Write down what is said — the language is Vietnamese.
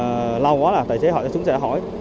nếu mà đông quá là tài xế hỏi xuống sẽ hỏi